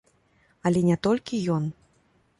Але не толькі ён.